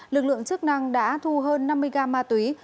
lực lượng chức năng đã thu hơn năm mươi gam ma túy